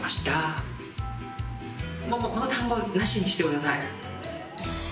もうこの単語なしにして下さい！